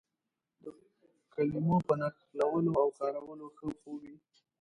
د کلمو په نښلولو او کارولو ښه پوه وي.